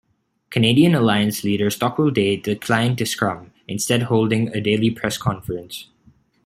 Canadian Alliance leader Stockwell Day declined to scrum, instead holding a daily press conference.